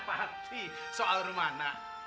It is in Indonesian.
hahah bapak bi soal rumana